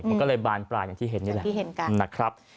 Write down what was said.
มันก็เลยบานปลายอย่างที่เห็นนี่แหละนะครับ